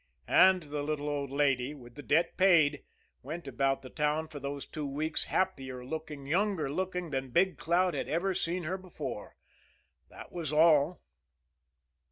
And the little old lady, with the debt paid, went about the town for those two weeks happier looking, younger looking than Big Cloud had ever seen her before. That was all.